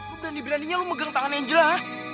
lu berani beraninya lu megang tangan angela ha